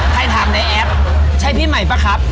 ใครทำในแอปใช้ที่ใหม่ปะครับ